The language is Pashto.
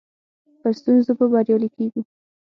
پر ستونزو به بريالي کيږو.